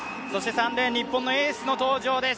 ３レーン、日本のエースの登場です。